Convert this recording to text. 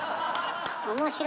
面白い。